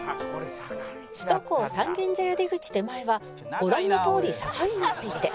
「首都高三軒茶屋出口手前はご覧のとおり坂になっていて」